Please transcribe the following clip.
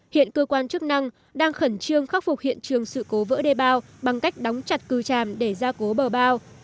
hiện cơ quan chức năng đang khẩn trương khắc phục hiện trường sự cố vỡ đê bao bằng cách đóng chặt cư tràm để ra cố bờ bao